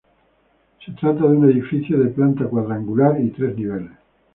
Se trata de un edificio de planta cuadrangular y tres niveles.